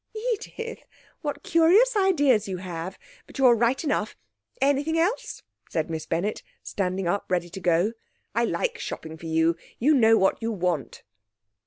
'Edith, what curious ideas you have! But you're right enough. Anything else?' said Miss Bennett, standing up, ready to go. 'I like shopping for you. You know what you want.'